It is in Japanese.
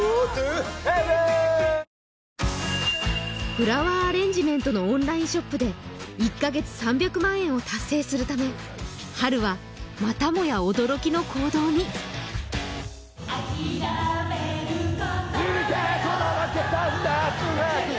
フラワーアレンジメントのオンラインショップで１ヶ月３００万円を達成するためハルはまたもや驚きの行動にあきらめるコト響けー